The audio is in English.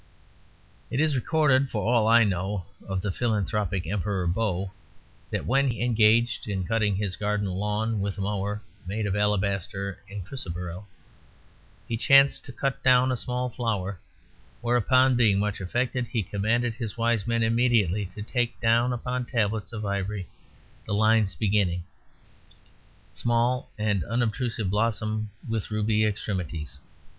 It is recorded (for all I know) of the philanthropic Emperor Bo, that when engaged in cutting his garden lawn with a mower made of alabaster and chrysoberyl, he chanced to cut down a small flower; whereupon, being much affected, he commanded his wise men immediately to take down upon tablets of ivory the lines beginning: "Small and unobtrusive blossom with ruby extremities."